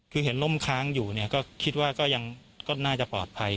คือเห็นล่มค้างอยู่เนี่ยก็คิดว่าก็ยังน่าจะปลอดภัย